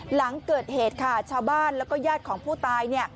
หลังเกิดเหตุค่ะชาวบ้านแล้วก็ญาติของผู้ตาย